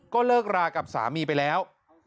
ก็เลิกรากับสามีไปแล้ว